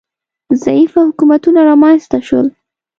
ضعیفه حکومتونه رامنځ ته شول